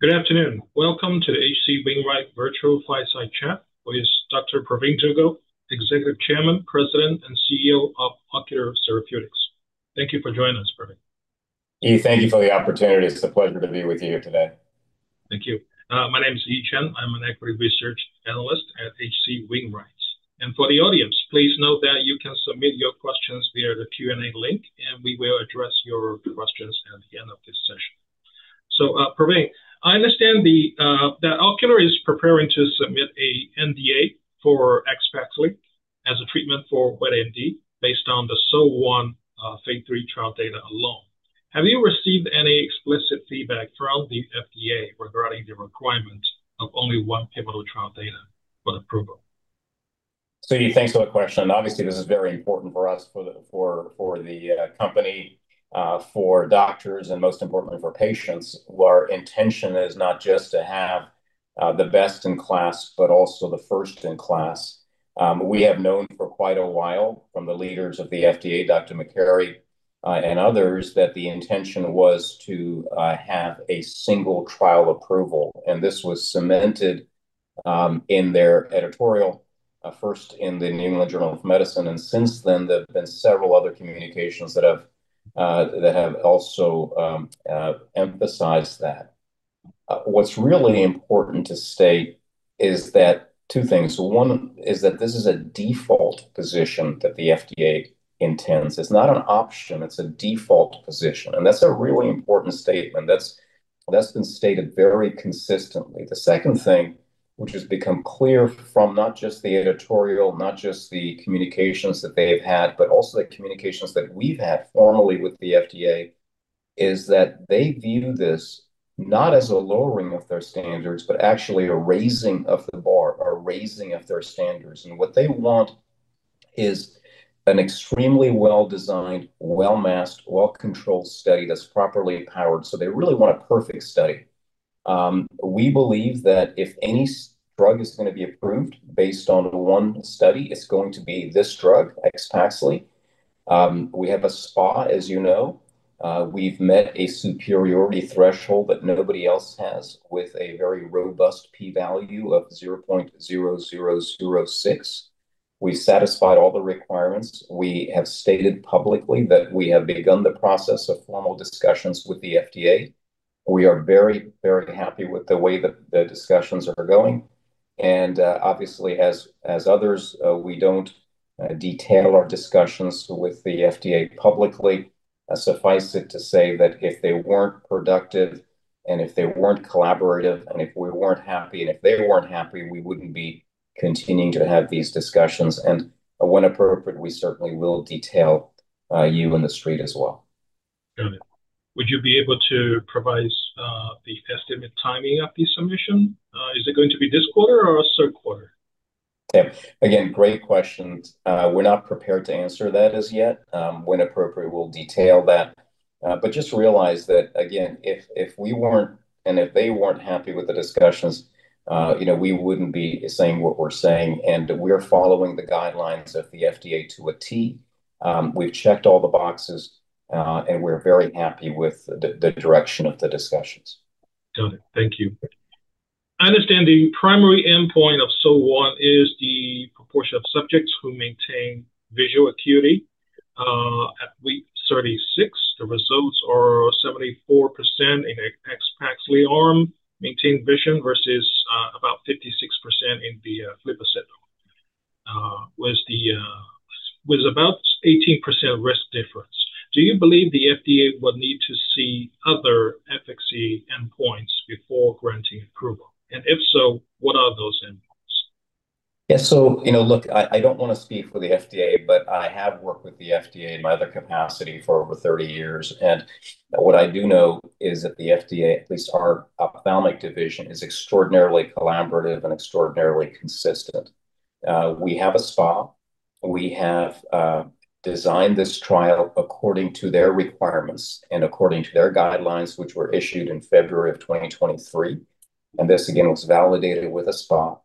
Good afternoon. Welcome to the H.C. Wainwright Virtual Fireside Chat with Dr. Pravin Dugel, Executive Chairman, President, and CEO of Ocular Therapeutix. Thank you for joining us, Pravin. Yi, thank you for the opportunity. It's a pleasure to be with you today. Thank you. My name is Yi Chen. I'm an Equity Research Analyst at H.C. Wainwright. For the audience, please note that you can submit your questions via the Q and A link, and we will address your questions at the end of this session. Pravin, I understand Ocular is preparing to submit an NDA for AXPAXLI as a treatment for wet AMD based on the SOL-1 phase III trial data alone. Have you received any explicit feedback from the FDA regarding the requirement of only one pivotal trial data for the approval? Yi, thanks for that question, and obviously this is very important for us, for the company, for doctors, and most importantly for patients. Our intention is not just to have the best in class, but also the first in class. We have known for quite a while from the leaders of the FDA, Dr. Makary, and others, that the intention was to have a single trial approval, and this was cemented in their editorial first in The New England Journal of Medicine. Since then there have been several other communications that have also emphasized that. What's really important to state is that two things. One is that this is a default position that the FDA intends. It's not an option, it's a default position, and that's a really important statement. That's been stated very consistently. The second thing which has become clear from not just the editorial, not just the communications that they've had, but also the communications that we've had formally with the FDA, is that they view this not as a lowering of their standards, but actually a raising of the bar, a raising of their standards. What they want is an extremely well-designed, well-masked, well-controlled study that's properly powered. They really want a perfect study. We believe that if any such drug is gonna be approved based on one study, it's going to be this drug, AXPAXLI. We have a SPA, as you know. We've met a superiority threshold that nobody else has with a very robust p-value of 0.0006. We satisfied all the requirements. We have stated publicly that we have begun the process of formal discussions with the FDA. We are very, very happy with the way that the discussions are going, and, obviously as others, we don't detail our discussions with the FDA publicly. Suffice it to say that if they weren't productive, and if they weren't collaborative, and if we weren't happy, and if they weren't happy, we wouldn't be continuing to have these discussions. When appropriate, we certainly will detail you and the street as well. Got it. Would you be able to provide the estimated timing of the submission? Is it going to be this quarter or third quarter? Yeah. Again, great questions. We're not prepared to answer that as yet. When appropriate we'll detail that. Just realize that again, if we weren't, and if they weren't happy with the discussions, you know, we wouldn't be saying what we're saying. We're following the guidelines of the FDA to a t. We've checked all the boxes, and we're very happy with the direction of the discussions. Got it. Thank you. I understand the primary endpoint of SOL-1 is the proportion of subjects who maintain visual acuity at week 36. The results are 74% in AXPAXLI arm maintained vision versus about 56% in the aflibercept with about 18% risk difference. Do you believe the FDA will need to see other efficacy endpoints before granting approval? If so, what are those endpoints? Yeah. You know, look, I don't wanna speak for the FDA, but I have worked with the FDA in my other capacity for over 30 years. What I do know is that the FDA, at least our ophthalmic division, is extraordinarily collaborative and extraordinarily consistent. We have a SPA. We have designed this trial according to their requirements and according to their guidelines, which were issued in February 2023, and this again was validated with a SPA.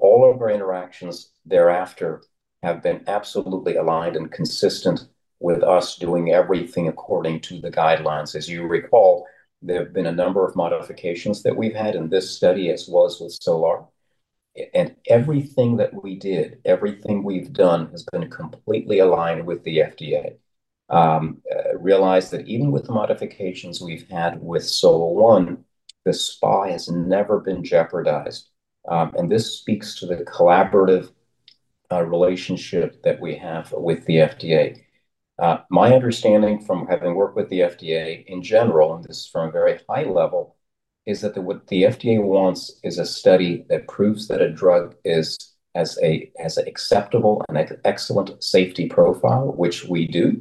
All of our interactions thereafter have been absolutely aligned and consistent with us doing everything according to the guidelines. As you recall, there have been a number of modifications that we've had in this study, as well as with SOL-R. And everything that we did, everything we've done has been completely aligned with the FDA. Realize that even with the modifications we've had with SOL-1, the SPA has never been jeopardized. This speaks to the collaborative relationship that we have with the FDA. My understanding from having worked with the FDA in general, and this is from a very high level, is that what the FDA wants is a study that proves that a drug has an acceptable and excellent safety profile, which we do.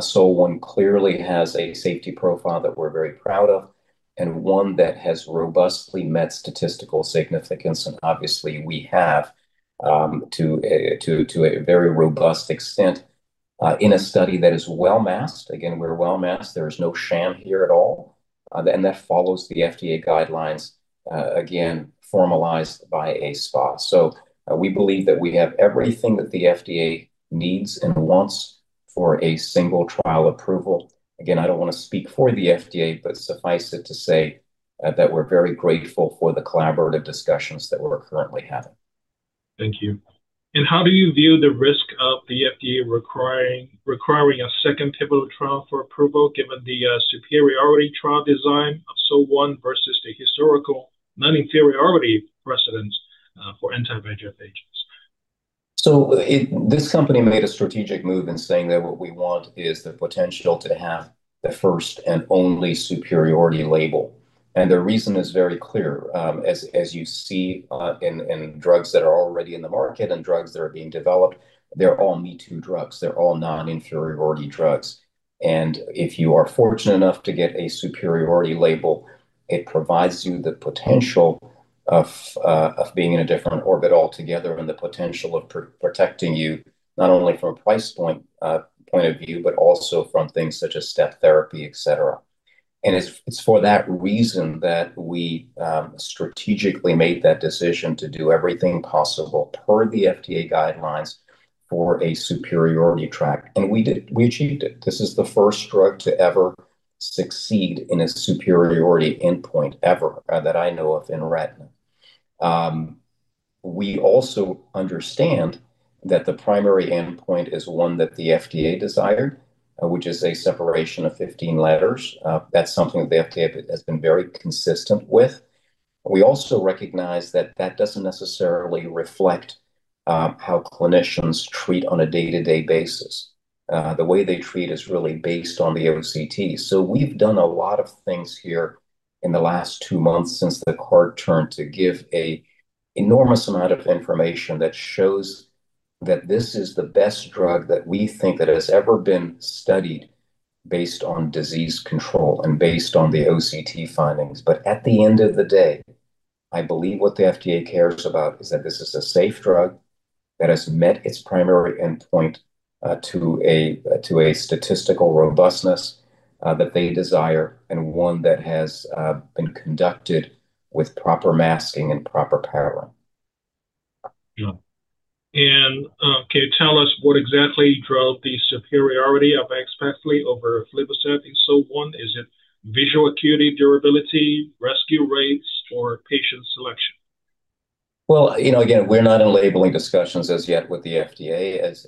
SOL-1 clearly has a safety profile that we're very proud of, and one that has robustly met statistical significance. Obviously we have to a very robust extent in a study that is well-masked. Again, we're well-masked. There is no sham here at all. That follows the FDA guidelines, again, formalized by a SPA. We believe that we have everything that the FDA needs and wants for a single trial approval. Again, I don't wanna speak for the FDA, but suffice it to say, that we're very grateful for the collaborative discussions that we're currently having. Thank you. How do you view the risk of the FDA requiring a second pivotal trial for approval given the superiority trial design of SOL-1 versus the historical non-inferiority precedent for anti-VEGF agents? This company made a strategic move in saying that what we want is the potential to have the first and only superiority label, and the reason is very clear. As you see, in drugs that are already in the market and drugs that are being developed, they're all me-too drugs. They're all non-inferiority drugs. If you are fortunate enough to get a superiority label, it provides you the potential of being in a different orbit altogether and the potential of protecting you not only from a price point of view, but also from things such as step therapy, et cetera. It's for that reason that we strategically made that decision to do everything possible per the FDA guidelines for a superiority track. We did. We achieved it. This is the first drug to ever succeed in a superiority endpoint ever, that I know of in retina. We also understand that the primary endpoint is one that the FDA desired, which is a separation of 15 letters. That's something the FDA has been very consistent with. We also recognize that that doesn't necessarily reflect, how clinicians treat on a day-to-day basis. The way they treat is really based on the OCT. We've done a lot of things here in the last two months since the card turn to give a enormous amount of information that shows that this is the best drug that we think that has ever been studied based on disease control and based on the OCT findings. At the end of the day, I believe what the FDA cares about is that this is a safe drug that has met its primary endpoint to a statistical robustness that they desire and one that has been conducted with proper masking and proper power. Yeah. Can you tell us what exactly drove the superiority of AXPAXLI over aflibercept in SOL-1? Is it visual acuity, durability, rescue rates, or patient selection? Well, you know, again, we're not in labeling discussions as yet with the FDA as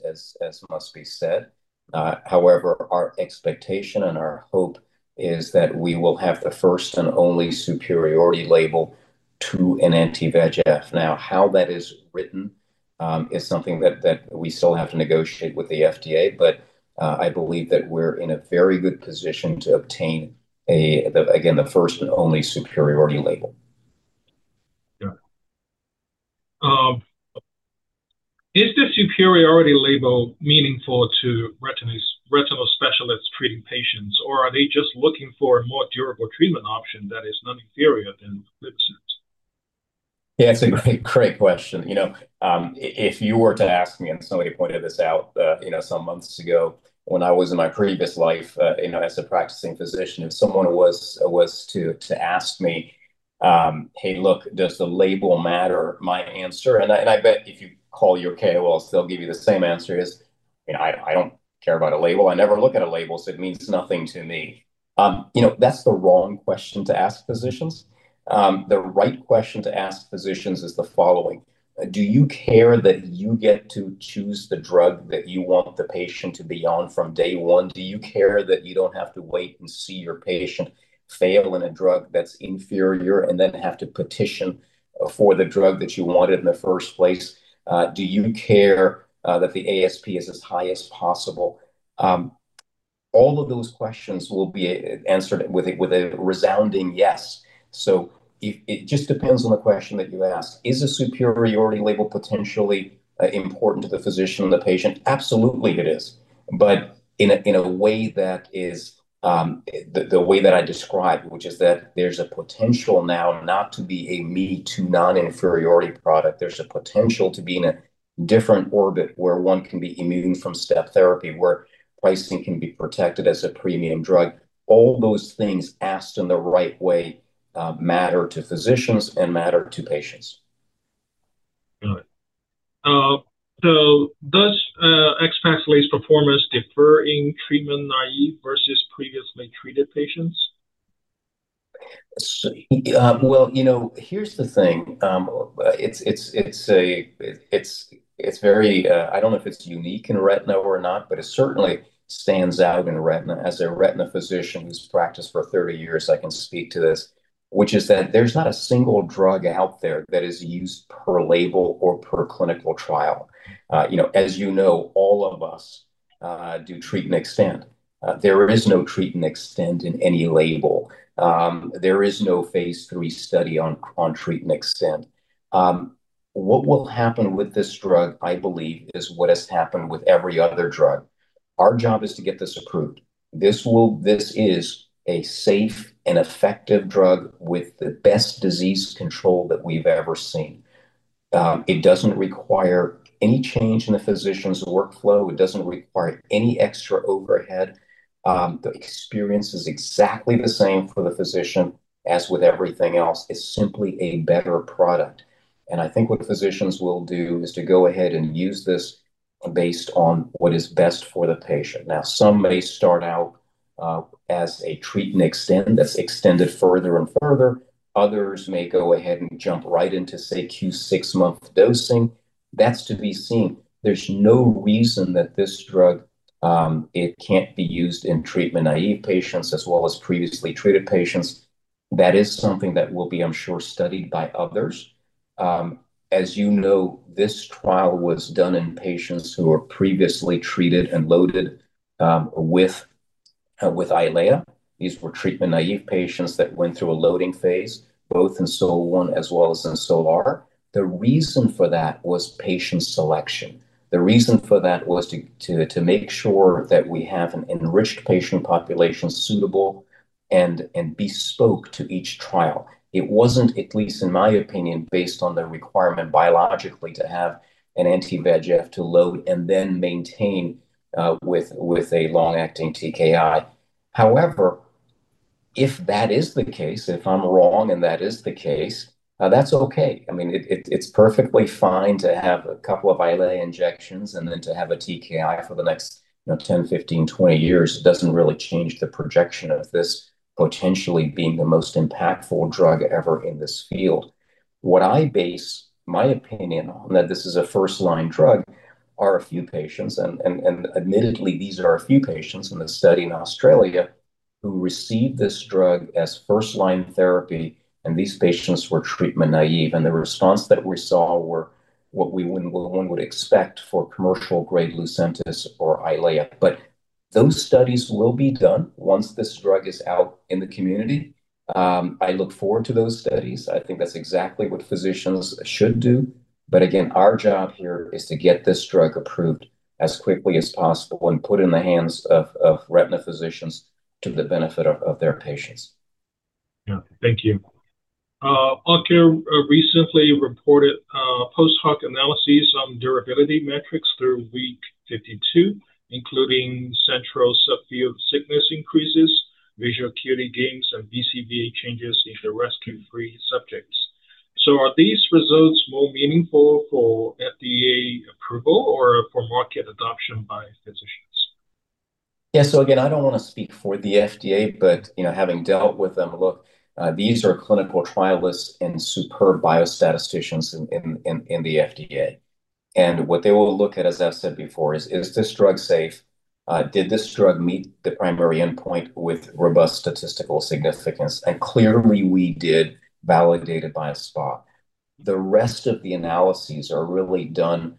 must be said. However, our expectation and our hope is that we will have the first and only superiority label to an anti-VEGF. Now how that is written is something that we still have to negotiate with the FDA. I believe that we're in a very good position to obtain the, again, the first and only superiority label. Yeah. Is the superiority label meaningful to retinal specialists treating patients, or are they just looking for a more durable treatment option that is non-inferior to Lucentis? Yeah. It's a great question. You know, if you were to ask me, and somebody pointed this out, you know, some months ago when I was in my previous life, you know, as a practicing physician. If someone was to ask me, "Hey, look, does the label matter?" My answer, and I bet if you call your KOLs they'll give you the same answer, is, "You know, I don't care about a label. I never look at a label, so it means nothing to me." You know, that's the wrong question to ask physicians. The right question to ask physicians is the following. Do you care that you get to choose the drug that you want the patient to be on from day one? Do you care that you don't have to wait and see your patient fail in a drug that's inferior and then have to petition for the drug that you wanted in the first place? Do you care that the ASP is as high as possible? All of those questions will be answered with a resounding yes. It just depends on the question that you ask. Is a superiority label potentially important to the physician and the patient? Absolutely it is. In a way that is the way that I described, which is that there's a potential now not to be a me-too non-inferiority product. There's a potential to be in a different orbit where one can be immune from step therapy, where pricing can be protected as a premium drug. All those things asked in the right way matter to physicians and matter to patients. Got it. Does AXPAXLI's performance differ in treatment naive versus previously treated patients? Well, you know, here's the thing. It's very, I don't know if it's unique in retina or not, but it certainly stands out in retina. As a retina physician who's practiced for 30 years, I can speak to this, which is that there's not a single drug out there that is used per label or per clinical trial. You know, as you know, all of us do treat and extend. There is no treat and extend in any label. There is no phase III study on treat and extend. What will happen with this drug, I believe, is what has happened with every other drug. Our job is to get this approved. This is a safe and effective drug with the best disease control that we've ever seen. It doesn't require any change in the physician's workflow. It doesn't require any extra overhead. The experience is exactly the same for the physician as with everything else. It's simply a better product. I think what physicians will do is to go ahead and use this based on what is best for the patient. Now, some may start out as a treat and extend that's extended further and further, others may go ahead and jump right into, say, Q6-month dosing. That's to be seen. There's no reason that this drug, it can't be used in treatment-naive patients as well as previously treated patients. That is something that will be, I'm sure, studied by others. As you know, this trial was done in patients who were previously treated and loaded with EYLEA. These were treatment-naive patients that went through a loading phase, both in SOL-1 as well as in SOL-R. The reason for that was patient selection. The reason for that was to make sure that we have an enriched patient population suitable and bespoke to each trial. It wasn't, at least in my opinion, based on the requirement biologically to have an anti-VEGF to load and then maintain with a long-acting TKI. However, if that is the case, if I'm wrong and that is the case, that's okay. I mean, it's perfectly fine to have a couple of EYLEA injections and then to have a TKI for the next, you know, 10, 15, 20 years. It doesn't really change the projection of this potentially being the most impactful drug ever in this field. What I base my opinion on that this is a first-line drug are a few patients and admittedly these are a few patients in the study in Australia who received this drug as first-line therapy, and these patients were treatment-naive. The response that we saw were what one would expect for commercial-grade Lucentis or EYLEA. Those studies will be done once this drug is out in the community. I look forward to those studies. I think that's exactly what physicians should do. Again, our job here is to get this drug approved as quickly as possible and put in the hands of retina physicians to the benefit of their patients. Yeah. Thank you. Ocular recently reported post-hoc analyses on durability metrics through week 52, including central subfield thickness increases, visual acuity gains, and BCVA changes in the rescue-free subjects. Are these results more meaningful for FDA approval or for market adoption by physicians? Yeah. Again, I don't want to speak for the FDA, but, you know, having dealt with them, look, these are clinical trialists and superb biostatisticians in the FDA. What they will look at, as I've said before, is this drug safe? Did this drug meet the primary endpoint with robust statistical significance? Clearly we did, validated by a SPA. The rest of the analyses are really done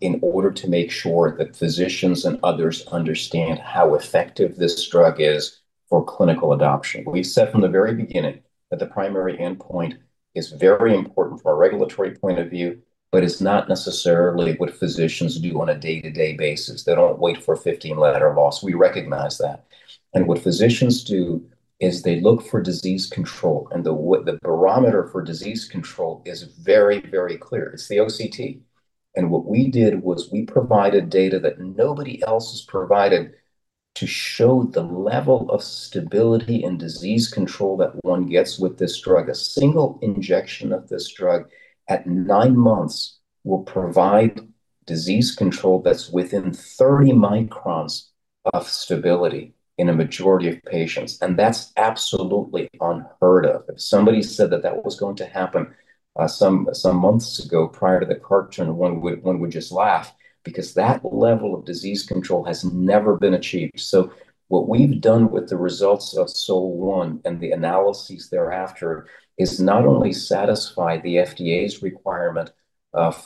in order to make sure that physicians and others understand how effective this drug is for clinical adoption. We've said from the very beginning that the primary endpoint is very important from a regulatory point of view, but it's not necessarily what physicians do on a day-to-day basis. They don't wait for 15-letter loss. We recognize that. What physicians do is they look for disease control, and the barometer for disease control is very, very clear. It's the OCT. What we did was we provided data that nobody else has provided to show the level of stability and disease control that one gets with this drug. A single injection of this drug at nine months will provide disease control that's within 30 microns of stability in a majority of patients, and that's absolutely unheard of. If somebody said that that was going to happen some months ago prior to the card turn, one would just laugh because that level of disease control has never been achieved. What we've done with the results of SOL-1 and the analyses thereafter is not only satisfy the FDA's requirement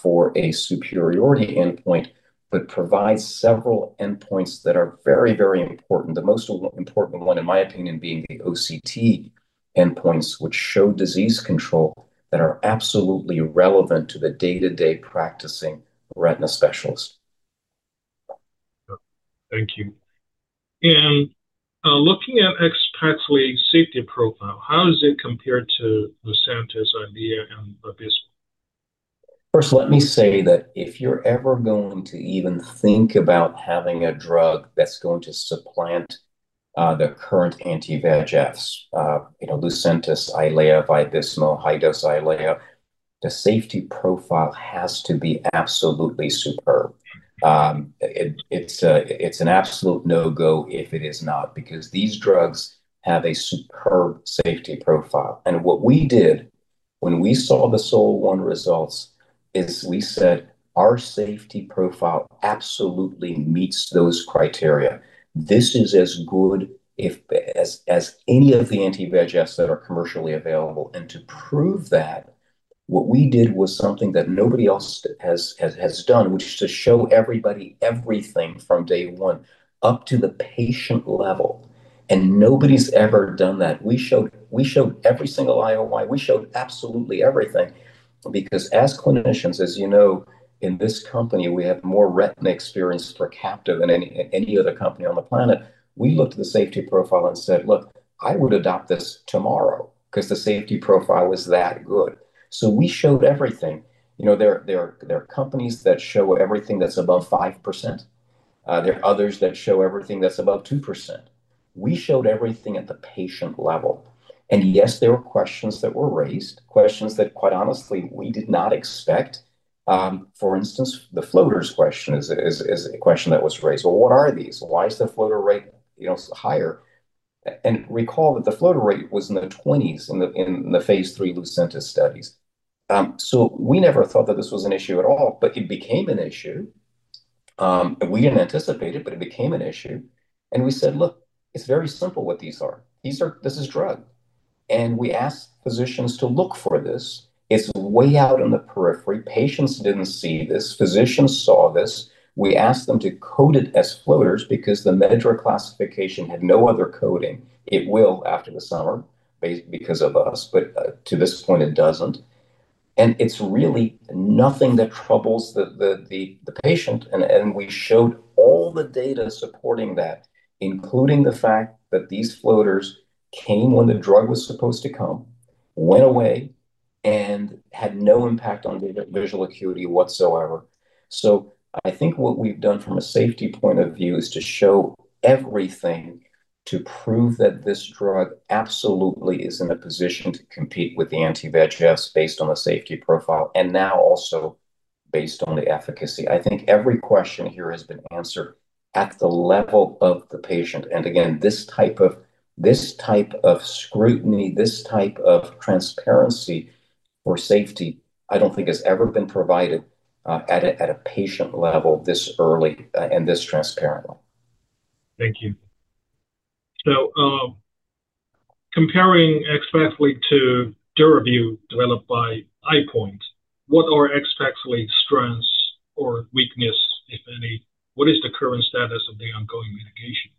for a superiority endpoint, but provide several endpoints that are very, very important. The most important one, in my opinion, being the OCT endpoints, which show disease control that are absolutely relevant to the day-to-day practicing retina specialist. Yeah. Thank you. Looking at AXPAXLI safety profile, how does it compare to Lucentis, EYLEA, and Vabysmo? First, let me say that if you're ever going to even think about having a drug that's going to supplant the current anti-VEGFs, you know, Lucentis, EYLEA, Vabysmo, EYLEA HD, the safety profile has to be absolutely superb. It's an absolute no-go if it is not, because these drugs have a superb safety profile. What we did when we saw the SOL-1 results is we said our safety profile absolutely meets those criteria. This is as good as any of the anti-VEGFs that are commercially available. To prove that, what we did was something that nobody else has done, which is to show everybody everything from day one up to the patient level. Nobody's ever done that. We showed every single IOI. We showed absolutely everything because as clinicians, as you know, in this company we have more retina experience per capita than any other company on the planet. We looked at the safety profile and said, "Look, I would adopt this tomorrow," 'cause the safety profile was that good. We showed everything. You know, there are companies that show everything that's above 5%. There are others that show everything that's above 2%. We showed everything at the patient level. Yes, there were questions that were raised, questions that quite honestly we did not expect. For instance, the floaters question is a question that was raised. Well, what are these? Why is the floater rate, you know, so higher? And recall that the floater rate was in the twenties in the phase III Lucentis studies. We never thought that this was an issue at all, but it became an issue. We didn't anticipate it, but it became an issue. We said, "Look, it's very simple what these are. These are drug." We asked physicians to look for this. It's way out in the periphery. Patients didn't see this. Physicians saw this. We asked them to code it as floaters because the MedDRA classification had no other coding. It will after the summer because of us, but to this point, it doesn't. It's really nothing that troubles the patient and we showed all the data supporting that, including the fact that these floaters came when the drug was supposed to come, went away, and had no impact on the visual acuity whatsoever. I think what we've done from a safety point of view is to show everything to prove that this drug absolutely is in a position to compete with the anti-VEGF based on the safety profile, and now also based on the efficacy. I think every question here has been answered at the level of the patient. Again, this type of scrutiny, this type of transparency for safety, I don't think has ever been provided at a patient level this early, and this transparently. Thank you. Comparing AXPAXLI to DURAVYU developed by EyePoint, what are AXPAXLI strengths or weakness, if any? What is the current status of the ongoing litigation?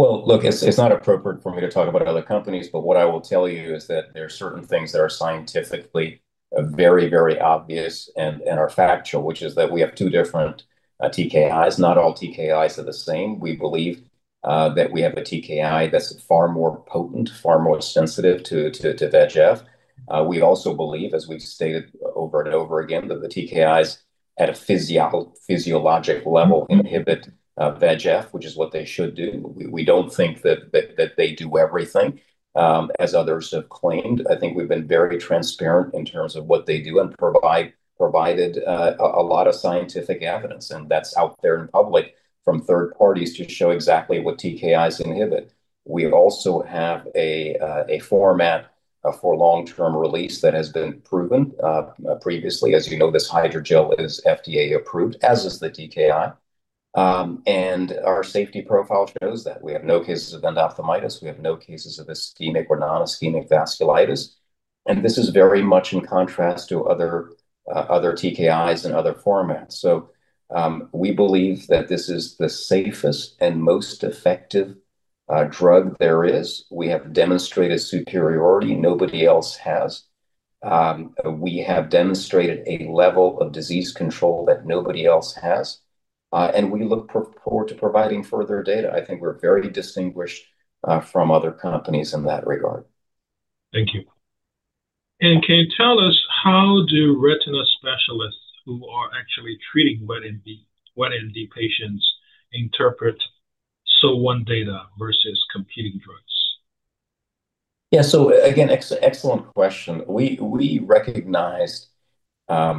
Well, look, it's not appropriate for me to talk about other companies, but what I will tell you is that there are certain things that are scientifically very obvious and are factual, which is that we have two different TKIs. Not all TKIs are the same. We believe that we have a TKI that's far more potent, far more sensitive to VEGF. We also believe, as we've stated over and over again, that the TKIs at a physiologic level inhibit VEGF, which is what they should do. We don't think that they do everything as others have claimed. I think we've been very transparent in terms of what they do and provided a lot of scientific evidence, and that's out there in public from third parties to show exactly what TKIs inhibit. We also have a format for long-term release that has been proven previously. As you know, this hydrogel is FDA approved, as is the TKI. Our safety profile shows that we have no cases of endophthalmitis. We have no cases of ischemic or non-ischemic vasculitis. This is very much in contrast to other TKIs and other formats. We believe that this is the safest and most effective drug there is. We have demonstrated superiority nobody else has. We have demonstrated a level of disease control that nobody else has, and we look forward to providing further data. I think we're very distinguished from other companies in that regard. Thank you. Can you tell us how do retina specialists who are actually treating wet AMD, wet AMD patients interpret SOL-1 data versus competing drugs? Yeah. Again, excellent question. We recognized a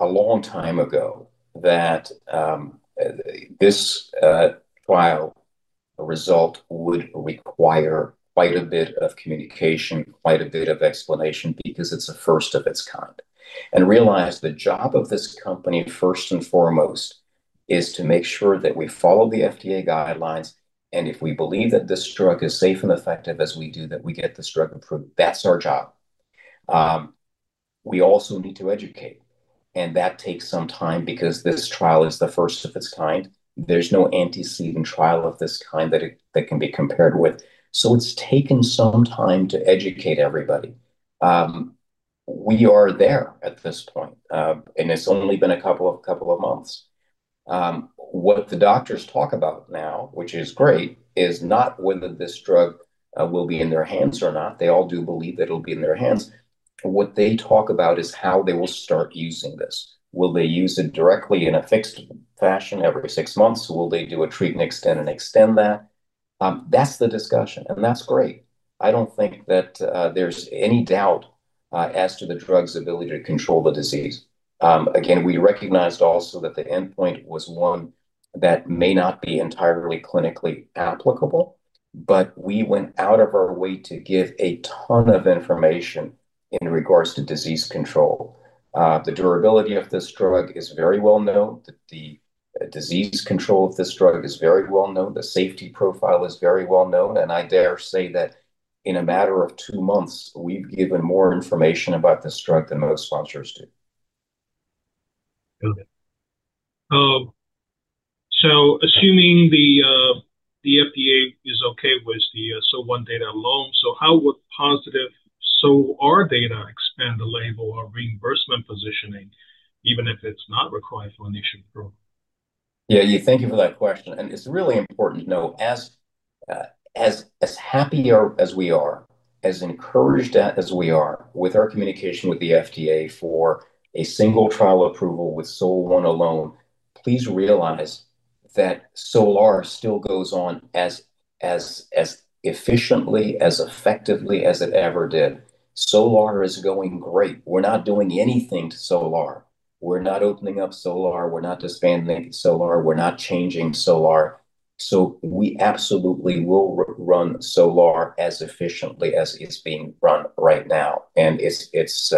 long time ago that this trial result would require quite a bit of communication, quite a bit of explanation because it's the first of its kind. Realize the job of this company, first and foremost, is to make sure that we follow the FDA guidelines, and if we believe that this drug is safe and effective as we do, that we get this drug approved. That's our job. We also need to educate, and that takes some time because this trial is the first of its kind. There's no anti-VEGF trial of this kind that can be compared with. It's taken some time to educate everybody. We are there at this point, and it's only been a couple of months. What the doctors talk about now, which is great, is not whether this drug will be in their hands or not. They all do believe that it'll be in their hands. What they talk about is how they will start using this. Will they use it directly in a fixed fashion every six months? Will they do a treat and extend and extend that? That's the discussion, and that's great. I don't think that there's any doubt as to the drug's ability to control the disease. Again, we recognized also that the endpoint was one that may not be entirely clinically applicable, but we went out of our way to give a ton of information in regards to disease control. The durability of this drug is very well known. The disease control of this drug is very well known. The safety profile is very well known. I dare say that in a matter of two months, we've given more information about this drug than most sponsors do. Got it. Assuming the FDA is okay with the SOL-1 data alone, how would positive SOL-R data expand the label or reimbursement positioning, even if it's not required for initial approval? Yeah. Thank you for that question, and it's really important to know as happy as we are, as encouraged as we are with our communication with the FDA for a single trial approval with SOL-1 alone, please realize that SOL-R still goes on as efficiently, as effectively as it ever did. SOL-R is going great. We're not doing anything to SOL-R. We're not opening up SOL-R. We're not disbanding SOL-R. We're not changing SOL-R. We absolutely will run SOL-R as efficiently as it's being run right now, and it's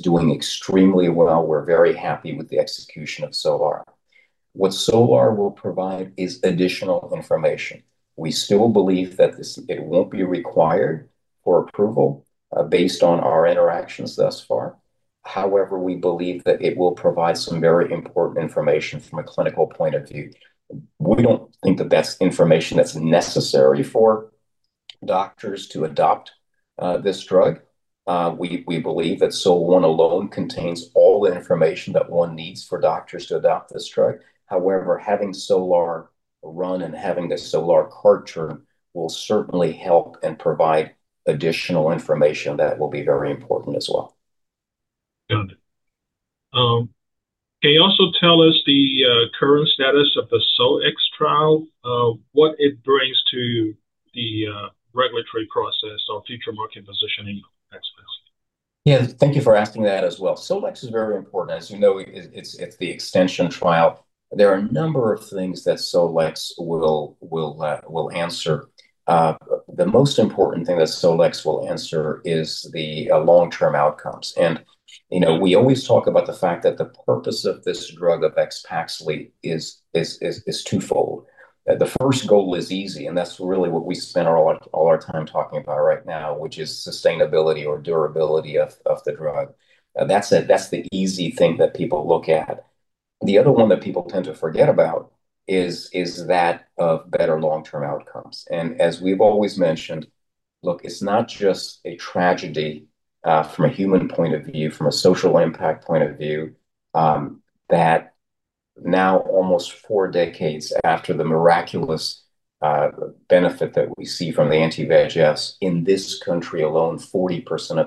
doing extremely well. We're very happy with the execution of SOL-R. What SOL-R will provide is additional information. We still believe that it won't be required for approval based on our interactions thus far. However, we believe that it will provide some very important information from a clinical point of view. We don't think that that's information that's necessary for doctors to adopt this drug. We believe that SOL-1 alone contains all the information that one needs for doctors to adopt this drug. However, having SOL-R run and having the SOL-R data will certainly help and provide additional information that will be very important as well. Got it. Can you also tell us the current status of the SOL-X trial, what it brings to the regulatory process or future market positioning of AXPAXLI? Yeah. Thank you for asking that as well. SOL-X is very important. As you know, it's the extension trial. There are a number of things that SOL-X will answer. The most important thing that SOL-X will answer is the long-term outcomes. You know, we always talk about the fact that the purpose of this drug, of AXPAXLI, is twofold. The first goal is easy, and that's really what we spend our all our time talking about right now, which is sustainability or durability of the drug. That's the easy thing that people look at. The other one that people tend to forget about is that of better long-term outcomes. As we've always mentioned, look, it's not just a tragedy from a human point of view, from a social impact point of view, that now almost four decades after the miraculous benefit that we see from the anti-VEGFs, in this country alone, 40%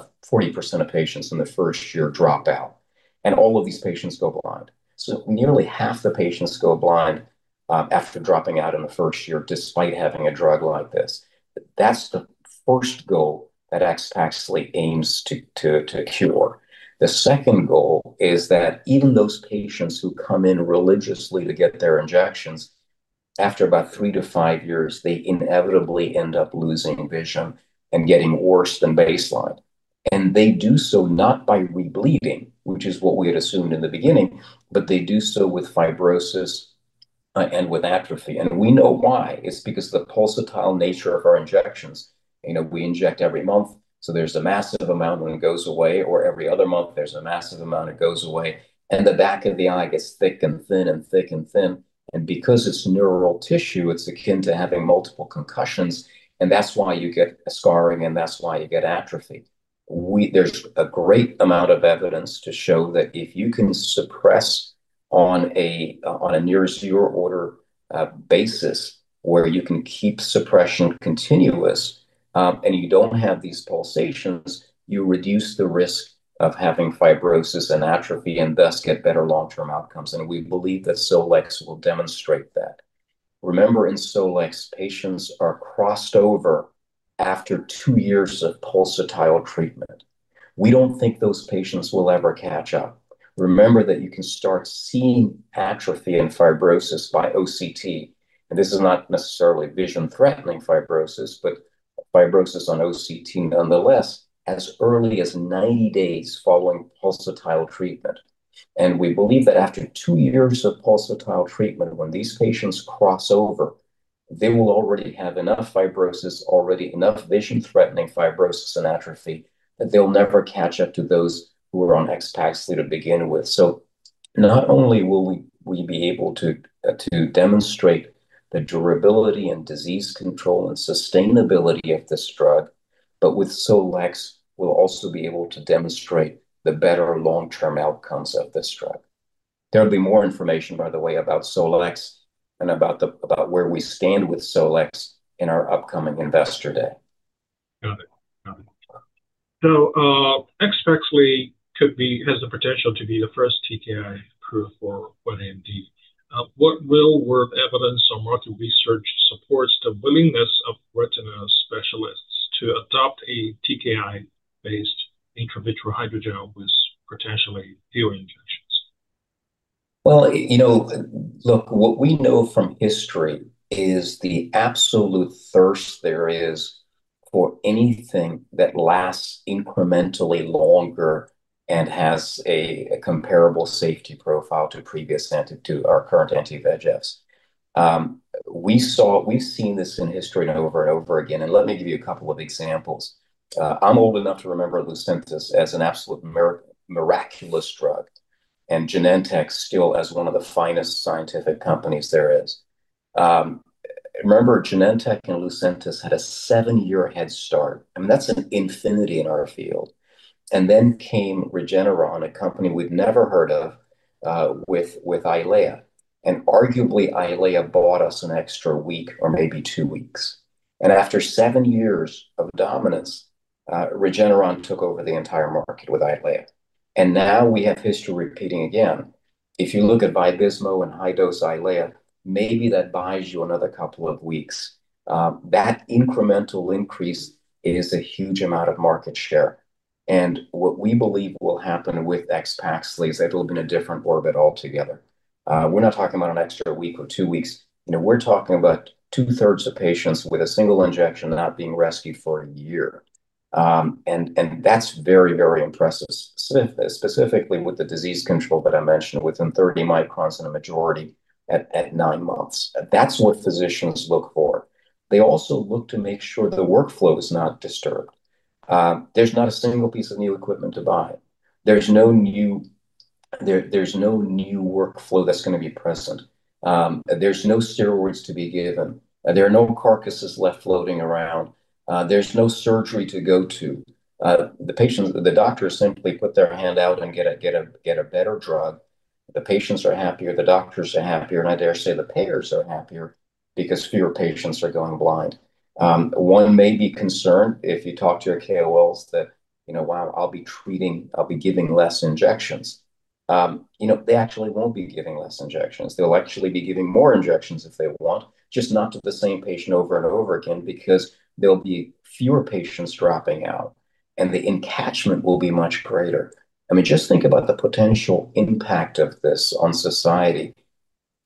of patients in the first year drop out, and all of these patients go blind. Nearly half the patients go blind after dropping out in the first year despite having a drug like this. That's the first goal that AXPAXLI aims to cure. The second goal is that even those patients who come in religiously to get their injections, after about three to five years, they inevitably end up losing vision and getting worse than baseline. They do so not by rebleeding, which is what we had assumed in the beginning, but they do so with fibrosis, and with atrophy. We know why. It's because the pulsatile nature of our injections. You know, we inject every month, so there's a massive amount when it goes away, or every other month, there's a massive amount that goes away. The back of the eye gets thick and thin and thick and thin, and because it's neural tissue, it's akin to having multiple concussions, and that's why you get scarring, and that's why you get atrophy. There's a great amount of evidence to show that if you can suppress on a near zero-order basis where you can keep suppression continuous, and you don't have these pulsations, you reduce the risk of having fibrosis and atrophy and thus get better long-term outcomes. We believe that SOL-X will demonstrate that. Remember, in SOL-X, patients are crossed over after two years of pulsatile treatment. We don't think those patients will ever catch up. Remember that you can start seeing atrophy and fibrosis by OCT, and this is not necessarily vision-threatening fibrosis, but fibrosis on OCT nonetheless, as early as 90 days following pulsatile treatment. We believe that after two years of pulsatile treatment, when these patients cross over, they will already have enough fibrosis, already enough vision-threatening fibrosis and atrophy that they'll never catch up to those who are on AXPAXLI to begin with. Not only will we be able to demonstrate the durability and disease control and sustainability of this drug, but with SOL-X, we'll also be able to demonstrate the better long-term outcomes of this drug. There'll be more information, by the way, about SOL-X and about where we stand with SOL-X in our upcoming Investor Day. Got it. AXPAXLI has the potential to be the first TKI approved for wet AMD. What real-world evidence or market research supports the willingness of retina specialists to adopt a TKI-based intravitreal hydrogel with potentially fewer injections? Well, you know, look, what we know from history is the absolute thirst there is for anything that lasts incrementally longer and has a comparable safety profile to previous to our current anti-VEGFs. We've seen this in history and over and over again, and let me give you a couple of examples. I'm old enough to remember Lucentis as an absolute miraculous drug, and Genentech still as one of the finest scientific companies there is. Remember Genentech and Lucentis had a seven-year head start, and that's an infinity in our field. Then came Regeneron, a company we'd never heard of, with EYLEA. Arguably, EYLEA bought us an extra week or maybe two weeks. After seven years of dominance, Regeneron took over the entire market with EYLEA. Now we have history repeating again. If you look at Vabysmo and high-dose EYLEA, maybe that buys you another couple of weeks. That incremental increase is a huge amount of market share. What we believe will happen with AXPAXLI is that it'll be in a different orbit altogether. We're not talking about an extra week or two weeks. You know, we're talking about two-thirds of patients with a single injection not being rescued for a year. And that's very, very impressive, specifically with the disease control that I mentioned within 30 microns in a majority at nine months. That's what physicians look for. They also look to make sure the workflow is not disturbed. There's not a single piece of new equipment to buy. There's no new workflow that's gonna be present. There's no steroids to be given. There are no carcasses left floating around. There's no surgery to go to. The doctors simply put their hand out and get a better drug. The patients are happier, the doctors are happier, and I dare say the payers are happier because fewer patients are going blind. One may be concerned if you talk to your KOLs that, you know, well, I'll be giving less injections. You know, they actually won't be giving less injections. They'll actually be giving more injections if they want, just not to the same patient over and over again because there'll be fewer patients dropping out, and the catchment will be much greater. I mean, just think about the potential impact of this on society.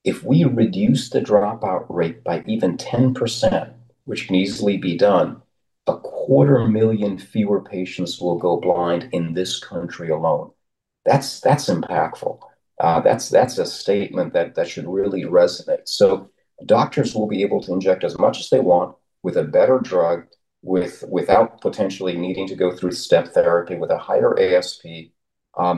If we reduce the dropout rate by even 10%, which can easily be done, 250,000 fewer patients will go blind in this country alone. That's impactful. That's a statement that should really resonate. Doctors will be able to inject as much as they want with a better drug, without potentially needing to go through step therapy with a higher ASP,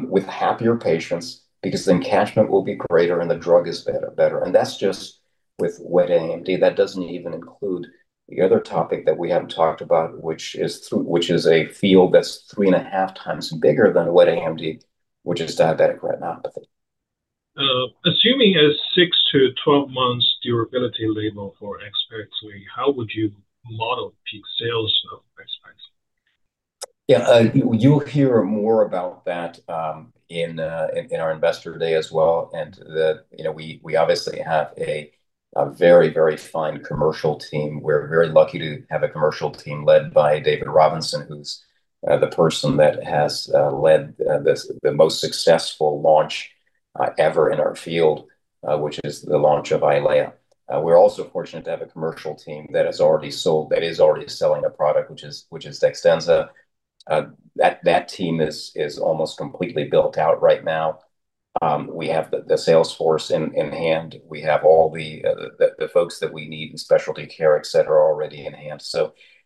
with happier patients because the retention will be greater and the drug is better. That's just with wet AMD. That doesn't even include the other topic that we haven't talked about, which is a field that's 3.5x bigger than wet AMD, which is diabetic retinopathy. Assuming a six to 12 months durability label for AXPAXLI, how would you model peak sales of AXPAXLI? Yeah, you'll hear more about that, in our investor day as well. You know, we obviously have a very fine commercial team. We're very lucky to have a commercial team led by David Robinson, who's the person that has led the most successful launch ever in our field, which is the launch of EYLEA. We're also fortunate to have a commercial team that is already selling a product, which is DEXTENZA. That team is almost completely built out right now. We have the sales force in hand. We have all the folks that we need in specialty care, et cetera, already enhanced.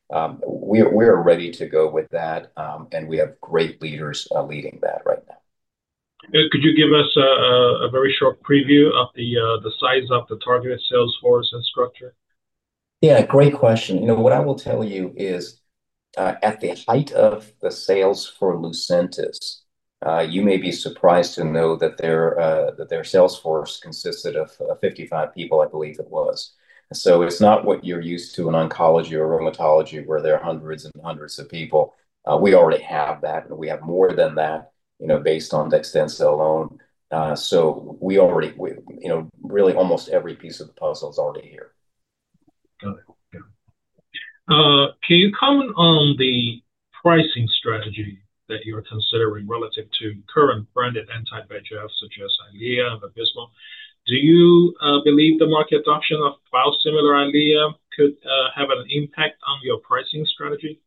We're ready to go with that, and we have great leaders leading that right now. Could you give us a very short preview of the size of the targeted sales force and structure? Yeah, great question. You know, what I will tell you is, at the height of the sales for Lucentis, you may be surprised to know that their sales force consisted of 55 people, I believe it was. So it's not what you're used to in oncology or rheumatology, where there are hundreds and hundreds of people. We already have that, and we have more than that, you know, based on DEXTENZA alone. So we already, you know, really almost every piece of the puzzle is already here. Got it. Yeah. Can you comment on the pricing strategy that you're considering relative to current branded anti-VEGF such as EYLEA and Vabysmo? Do you believe the market adoption of biosimilar EYLEA could have an impact on your pricing strategy?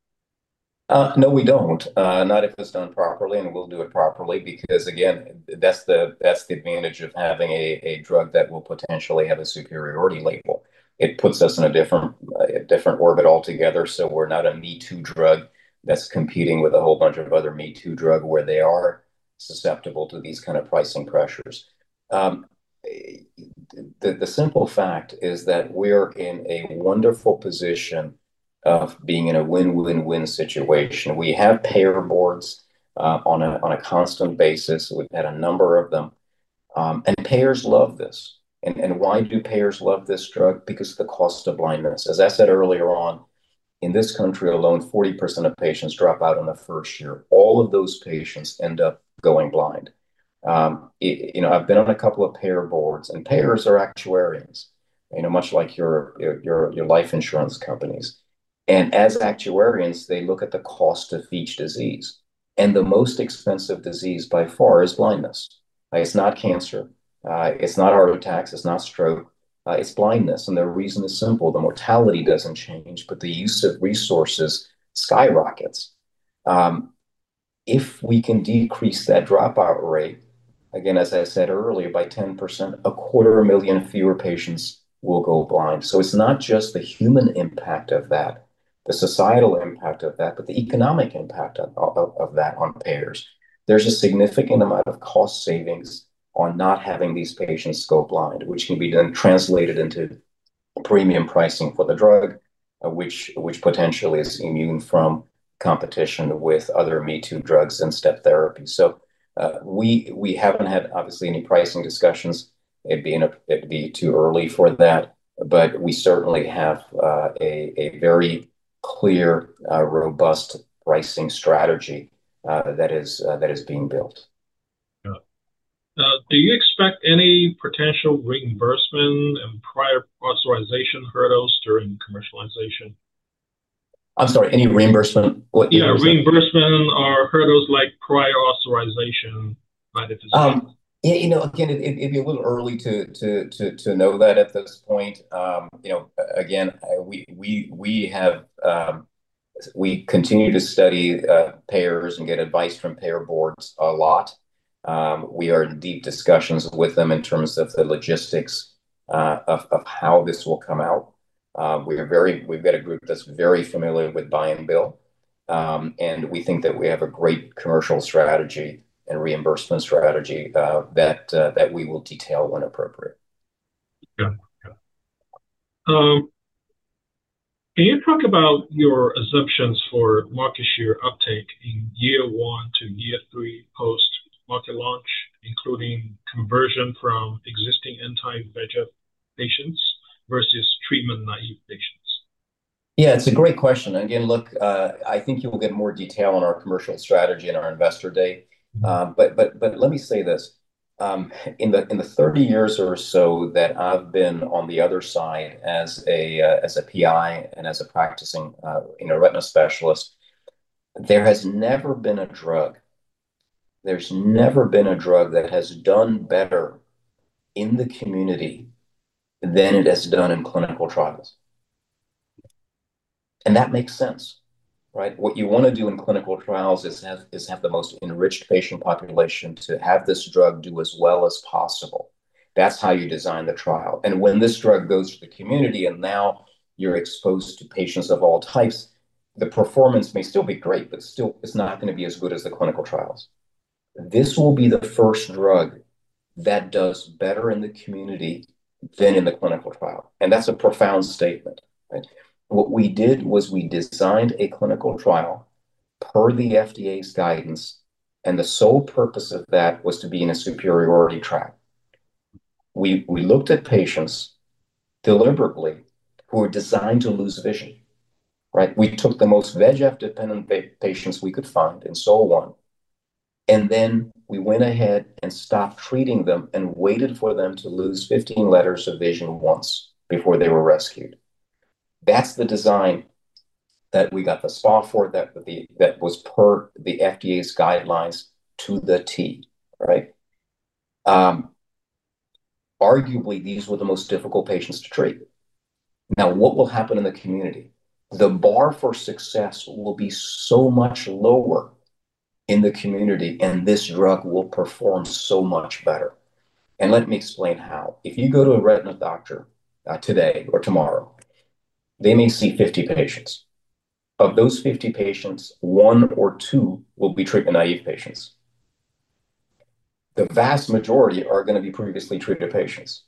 No, we don't. Not if it's done properly, and we'll do it properly because, again, that's the advantage of having a drug that will potentially have a superiority label. It puts us in a different orbit altogether, so we're not a me-too drug that's competing with a whole bunch of other me-too drug where they are susceptible to these kind of pricing pressures. The simple fact is that we're in a wonderful position of being in a win-win-win situation. We have payer boards on a constant basis. We've had a number of them. And payers love this. And why do payers love this drug? Because of the cost of blindness. As I said earlier on, in this country alone, 40% of patients drop out in the first year. All of those patients end up going blind. You know, I've been on a couple of payer boards, and payers are actuaries, you know, much like your life insurance companies. As actuaries, they look at the cost of each disease, and the most expensive disease by far is blindness. It's not cancer, it's not heart attacks, it's not stroke, it's blindness. The reason is simple. The mortality doesn't change, but the use of resources skyrockets. If we can decrease that dropout rate, again, as I said earlier, by 10%, 250,000 fewer patients will go blind. It's not just the human impact of that, the societal impact of that, but the economic impact of that on payers. There's a significant amount of cost savings on not having these patients go blind, which can be then translated into premium pricing for the drug, which potentially is immune from competition with other me-too drugs and step therapy. We haven't had obviously any pricing discussions. It'd be too early for that. We certainly have a very clear robust pricing strategy that is being built. Yeah. Do you expect any potential reimbursement and prior authorization hurdles during commercialization? I'm sorry, any reimbursement? What do you mean? Yeah, reimbursement or hurdles like prior authorization by the physician. Yeah, you know, again, it'd be a little early to know that at this point. You know, again, we continue to study payers and get advice from payer boards a lot. We are in deep discussions with them in terms of the logistics of how this will come out. We've got a group that's very familiar with buy-and-bill. We think that we have a great commercial strategy and reimbursement strategy that we will detail when appropriate. Yeah, can you talk about your assumptions for market share uptake in year one to year three post-market launch, including conversion from existing anti-VEGF patients versus treatment-naive patients? Yeah, it's a great question. Again, look, I think you will get more detail on our commercial strategy in our investor day. But let me say this, in the 30 years or so that I've been on the other side as a PI and as a practicing, you know, retina specialist, there has never been a drug, there's never been a drug that has done better in the community than it has done in clinical trials. That makes sense, right? What you wanna do in clinical trials is have the most enriched patient population to have this drug do as well as possible. That's how you design the trial. When this drug goes to the community, and now you're exposed to patients of all types, the performance may still be great, but still it's not gonna be as good as the clinical trials. This will be the first drug that does better in the community than in the clinical trial, and that's a profound statement, right? What we did was we designed a clinical trial per the FDA's guidance, and the sole purpose of that was to be in a superiority trial. We looked at patients deliberately who were designed to lose vision, right? We took the most VEGF-dependent patients we could find in SOL-1. Then we went ahead and stopped treating them and waited for them to lose 15 letters of vision once before they were rescued. That's the design that we got the SPA for, that was per the FDA's guidelines to the t, right? Arguably these were the most difficult patients to treat. Now, what will happen in the community? The bar for success will be so much lower in the community, and this drug will perform so much better. Let me explain how. If you go to a retina doctor, today or tomorrow, they may see 50 patients. Of those 50 patients, one or two will be treatment-naive patients. The vast majority are gonna be previously treated patients.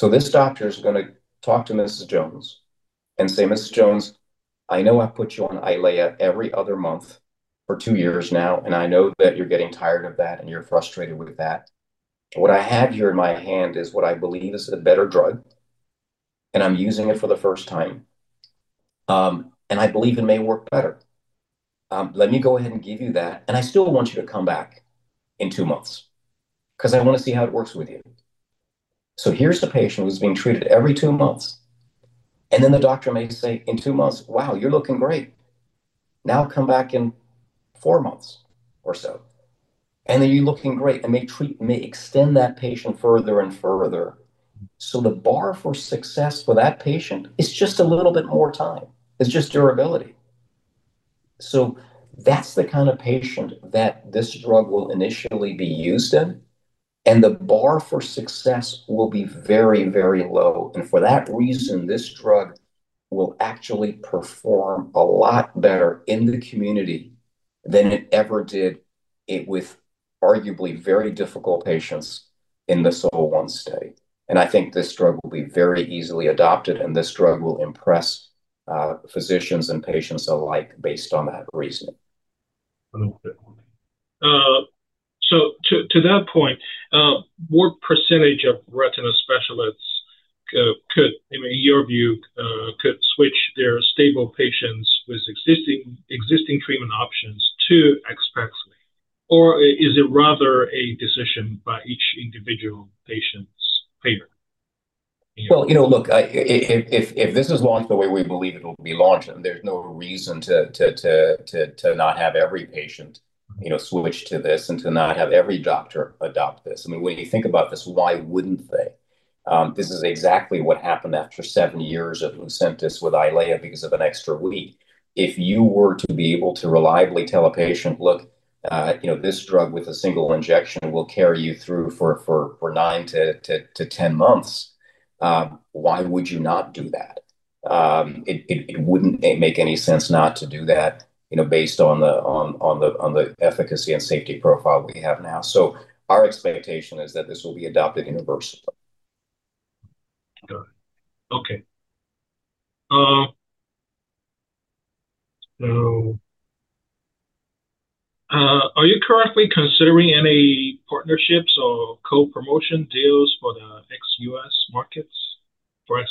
This doctor's gonna talk to Mrs. Jones and say, "Mrs. Jones, I know I've put you on EYLEA every other month for two years now, and I know that you're getting tired of that and you're frustrated with that. What I have here in my hand is what I believe is a better drug, and I'm using it for the first time. I believe it may work better. Let me go ahead and give you that, and I still want you to come back in two months because I wanna see how it works with you. Here's the patient who's being treated every two months, and then the doctor may say in two months, "Wow, you're looking great. Now come back in four months or so." "You're looking great," and may treat, may extend that patient further and further. The bar for success for that patient is just a little bit more time. It's just durability. That's the kind of patient that this drug will initially be used in, and the bar for success will be very, very low. For that reason, this drug will actually perform a lot better in the community than it ever did in the SOL-1 study with arguably very difficult patients. I think this drug will be very easily adopted, and this drug will impress physicians and patients alike based on that reasoning. To that point, what percentage of retina specialists, I mean, in your view, could switch their stable patients with existing treatment options to AXPAXLI? Or is it rather a decision by each individual patient's payer? Well, you know, look, if this is launched the way we believe it will be launched, and there's no reason to not have every patient, you know, switch to this and to not have every doctor adopt this. I mean, when you think about this, why wouldn't they? This is exactly what happened after seven years of Lucentis with EYLEA because of an extra week. If you were to be able to reliably tell a patient, "Look, you know, this drug with a single injection will carry you through for nine to 10 months," why would you not do that? It wouldn't make any sense not to do that, you know, based on the efficacy and safety profile we have now. Our expectation is that this will be adopted universally. Got it. Okay. So, are you currently considering any partnerships or co-promotion deals for the ex-U.S. markets for?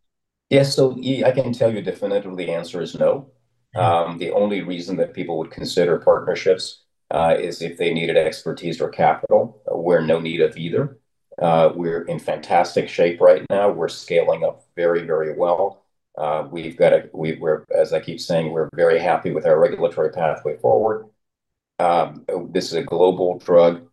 [inaudible] Yi, I can tell you the definitive answer is no. The only reason that people would consider partnerships is if they needed expertise or capital. We're in no need of either. We're in fantastic shape right now. We're scaling up very, very well. As I keep saying, we're very happy with our regulatory pathway forward. This is a global drug.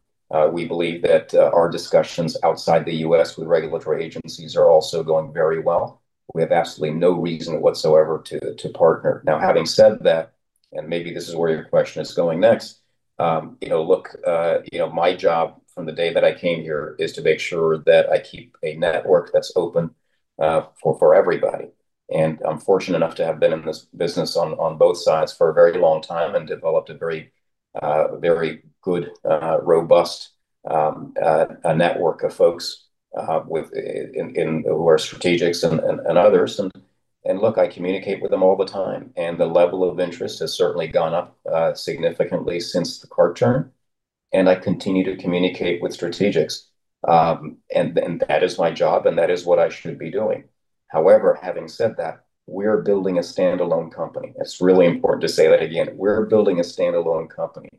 We believe that our discussions outside the U.S. with regulatory agencies are also going very well. We have absolutely no reason whatsoever to partner. Now, having said that, and maybe this is where your question is going next, you know, my job from the day that I came here is to make sure that I keep a network that's open for everybody. I'm fortunate enough to have been in this business on both sides for a very long time and developed a very good robust network of folks who are strategics and others. Look, I communicate with them all the time, and the level of interest has certainly gone up significantly since the card turn. I continue to communicate with strategics, and that is my job, and that is what I should be doing. However, having said that, we're building a standalone company. It's really important to say that again, we're building a standalone company.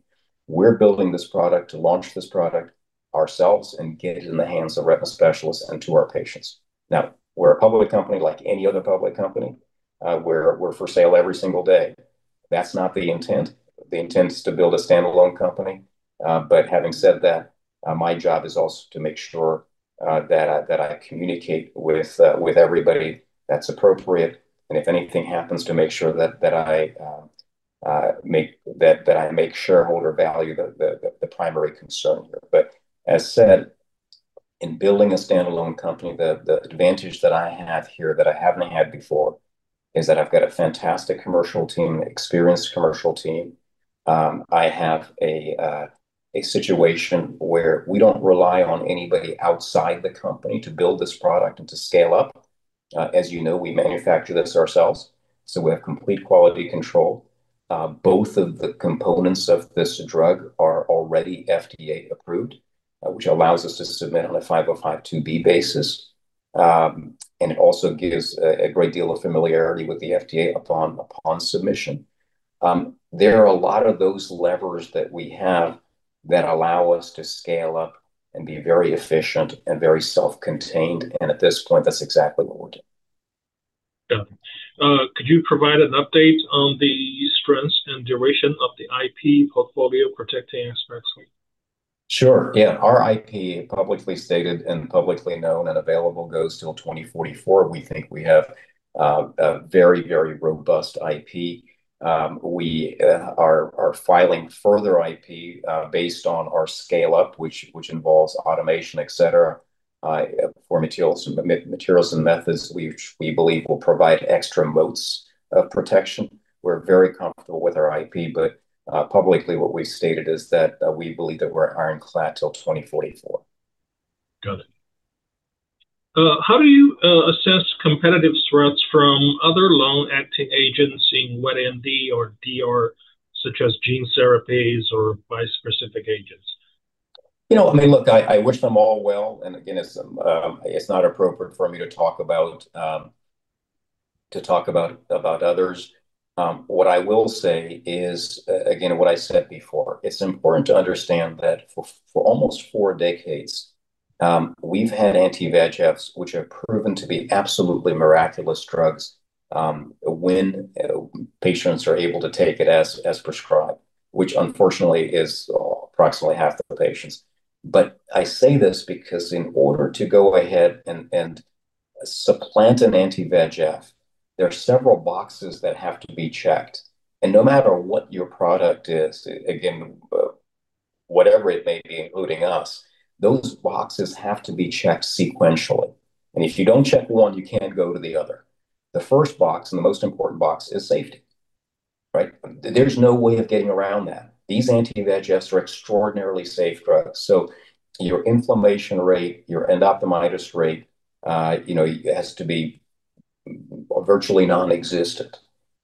We're building this product to launch this product ourselves and get it in the hands of retina specialists and to our patients. Now, we're a public company like any other public company, we're for sale every single day. That's not the intent. The intent is to build a standalone company. Having said that, my job is also to make sure that I communicate with everybody that's appropriate. If anything happens, to make sure that I make shareholder value the primary concern here. As said, in building a standalone company, the advantage that I have here that I haven't had before is that I've got a fantastic commercial team, experienced commercial team. I have a situation where we don't rely on anybody outside the company to build this product and to scale up. As you know, we manufacture this ourselves, so we have complete quality control. Both of the components of this drug are already FDA-approved, which allows us to submit on a 505(b)(2) basis. It also gives a great deal of familiarity with the FDA upon submission. There are a lot of those levers that we have that allow us to scale up and be very efficient and very self-contained. At this point, that's exactly what we're doing. Yeah. Could you provide an update on the strengths and duration on of the IP portfolio protecting? [inaudible] Sure, yeah. Our IP, publicly stated and publicly known and available, goes till 2044. We think we have a very robust IP. We are filing further IP based on our scale-up, which involves automation, et cetera, for materials and methods which we believe will provide extra moats of protection. We're very comfortable with our IP, but publicly, what we stated is that we believe that we're ironclad till 2044. Got it. How do you assess competitive threats from other long-acting agents in wet AMD or DR, such as gene therapies or bispecific agents? You know, I mean, look, I wish them all well. Again, it's not appropriate for me to talk about others. What I will say is, again, what I said before, it's important to understand that for almost four decades, we've had anti-VEGFs, which have proven to be absolutely miraculous drugs, when patients are able to take it as prescribed, which unfortunately is approximately half the patients. I say this because in order to go ahead and supplant an anti-VEGF, there are several boxes that have to be checked. No matter what your product is, again, whatever it may be, including us, those boxes have to be checked sequentially. If you don't check one, you can't go to the other. The first box and the most important box is safety, right? There's no way of getting around that. These anti-VEGFs are extraordinarily safe drugs. Your inflammation rate, your endophthalmitis rate, you know, has to be virtually nonexistent.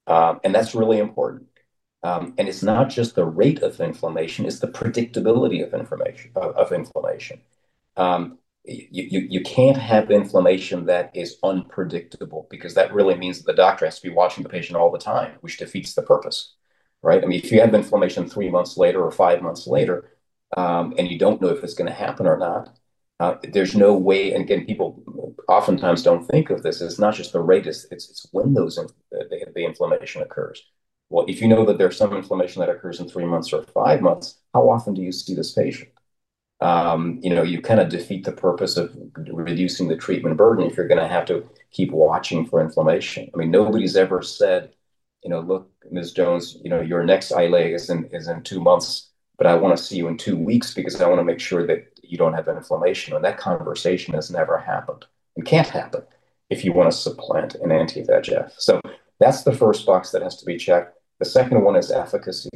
That's really important. It's not just the rate of inflammation, it's the predictability of inflammation. You can't have inflammation that is unpredictable because that really means the doctor has to be watching the patient all the time, which defeats the purpose, right? I mean, if you have inflammation three months later or five months later, and you don't know if it's gonna happen or not, there's no way. Again, people oftentimes don't think of this, it's not just the rate, it's when the inflammation occurs. Well, if you know that there's some inflammation that occurs in three months or five months, how often do you see this patient? You know, you kinda defeat the purpose of reducing the treatment burden if you're gonna have to keep watching for inflammation. I mean, nobody's ever said, you know, "Look, Ms. Jones, you know, your next EYLEA is in two months, but I wanna see you in two weeks because I wanna make sure that you don't have that inflammation." That conversation has never happened. It can't happen if you wanna supplant an anti-VEGF. That's the first box that has to be checked. The second one is efficacy.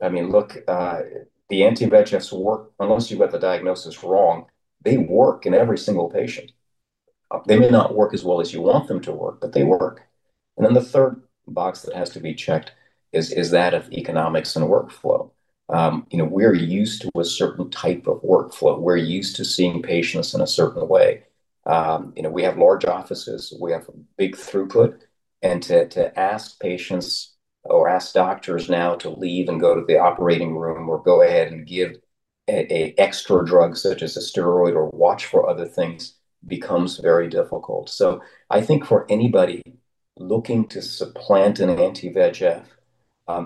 I mean, look, the anti-VEGFs work. Unless you've got the diagnosis wrong, they work in every single patient. They may not work as well as you want them to work, but they work. Then the third box that has to be checked is that of economics and workflow. You know, we're used to a certain type of workflow. We're used to seeing patients in a certain way. You know, we have large offices. We have big throughput. To ask patients or ask doctors now to leave and go to the operating room or go ahead and give an extra drug such as a steroid or watch for other things becomes very difficult. I think for anybody looking to supplant an anti-VEGF,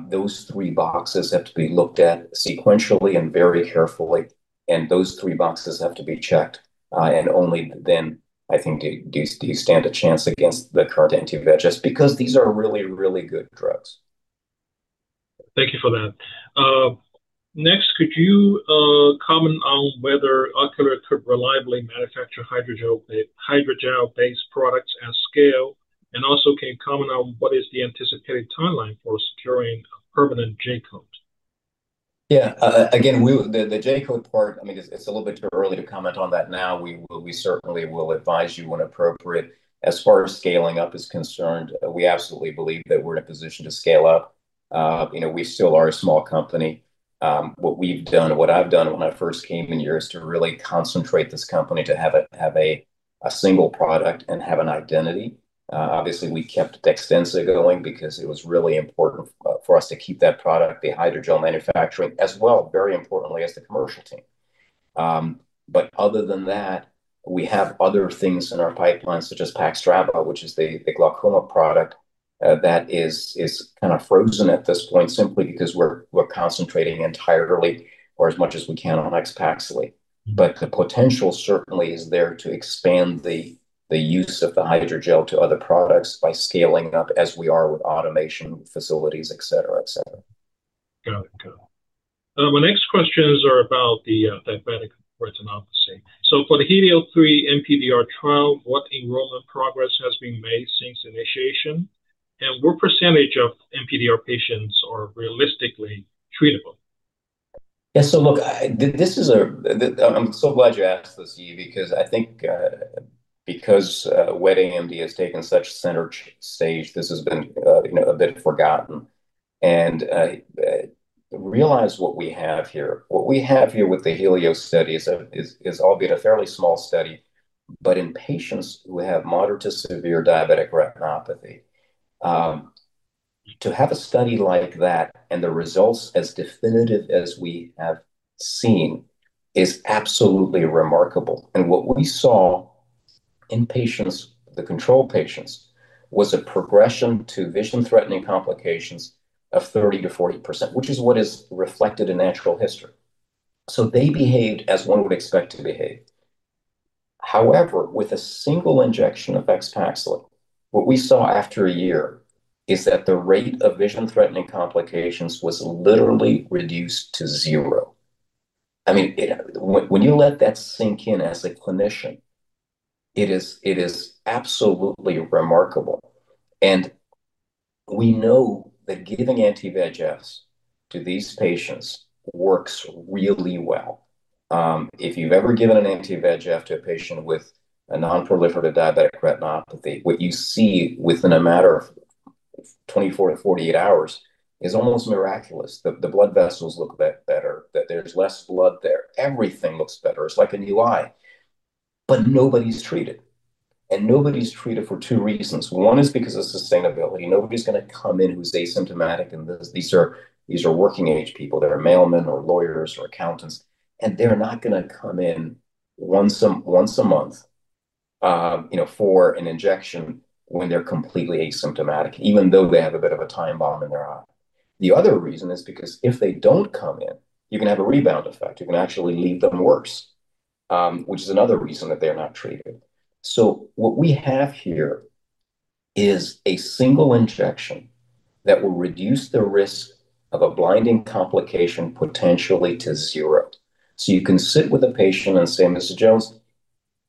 those three boxes have to be looked at sequentially and very carefully, and those three boxes have to be checked, and only then I think do you stand a chance against the current anti-VEGFs because these are really, really good drugs. Thank you for that. Next, could you comment on whether Ocular could reliably manufacture hydrogel-based products at scale? Can you comment on what is the anticipated timeline for securing permanent J-codes? Yeah. Again, the J-code part, I mean, it's a little bit too early to comment on that now. We certainly will advise you when appropriate. As far as scaling up is concerned, we absolutely believe that we're in a position to scale up. You know, we still are a small company. What I've done when I first came in here is to really concentrate this company to have a single product and have an identity. Obviously we kept DEXTENZA going because it was really important for us to keep that product, the hydrogel manufacturing, as well, very importantly as the commercial team. Other than that, we have other things in our pipeline such as PAXTRAVA, which is the glaucoma product that is kind of frozen at this point simply because we're concentrating entirely or as much as we can on AXPAXLI. The potential certainly is there to expand the use of the hydrogel to other products by scaling up as we are with automation facilities, et cetera. Got it. My next questions are about the diabetic retinopathy. For the HELIOS-3 NPDR trial, what enrollment progress has been made since initiation? And what percentage of NPDR patients are realistically treatable? Yeah, look, I'm so glad you asked this, Yi, because I think, because wet AMD has taken such center stage, this has been, you know, a bit forgotten. Realize what we have here. What we have here with the HELIOS study is albeit a fairly small study, but in patients who have moderate to severe diabetic retinopathy, to have a study like that and the results as definitive as we have seen is absolutely remarkable. What we saw in patients, the control patients, was a progression to vision-threatening complications of 30%-40%, which is what is reflected in natural history. They behaved as one would expect to behave. However, with a single injection of AXPAXLI, what we saw after a year is that the rate of vision-threatening complications was literally reduced to zero. I mean, when you let that sink in as a clinician, it is absolutely remarkable. We know that giving anti-VEGFs to these patients works really well. If you've ever given an anti-VEGF to a patient with a non-proliferative diabetic retinopathy, what you see within a matter of 24-48 hours is almost miraculous. The blood vessels look a bit better, that there's less blood there. Everything looks better. It's like a new eye. Nobody's treated for two reasons. One is because of sustainability. Nobody's gonna come in who's asymptomatic, and these are working age people. They're mailmen or lawyers or accountants, and they're not gonna come in once a month, you know, for an injection when they're completely asymptomatic, even though they have a bit of a time bomb in their eye. The other reason is because if they don't come in, you can have a rebound effect. You can actually leave them worse, which is another reason that they're not treated. What we have here is a single injection that will reduce the risk of a blinding complication potentially to zero. You can sit with a patient and say, "Mr. Jones,